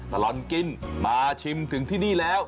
ตลอดกินมาชิมถึงที่นี่แล้ว